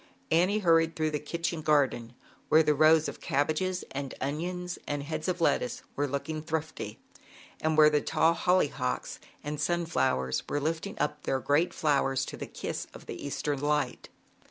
Annie hurried through the kitchen garden, where the rows of cabbages and onions and heads of lettuce were look ing thrifty, and where the tall hollyhocks and sunflowers were lifting up their great flowers to the kiss of the Eastern liht.